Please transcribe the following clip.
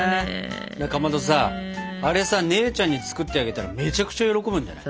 かまどさあれさ姉ちゃんに作ってあげたらめちゃくちゃ喜ぶんじゃない？